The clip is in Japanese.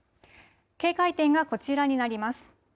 警戒点がこちらになります。